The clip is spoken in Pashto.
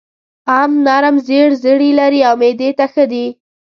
ام نرم زېړ زړي لري او معدې ته ښه ده.